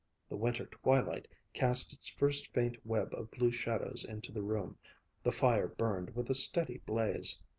The winter twilight cast its first faint web of blue shadow into the room. The fire burned with a steady blaze.